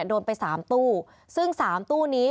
โดนไป๓ตู้ซึ่ง๓ตู้นี้